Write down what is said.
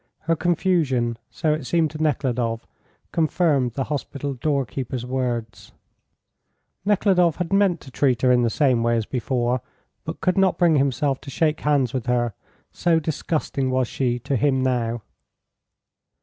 Her confusion, so it seemed to Nekhludoff, confirmed the hospital doorkeeper's words. Nekhludoff had meant to treat her in the same way as before, but could not bring himself to shake hands with her, so disgusting was she to him now.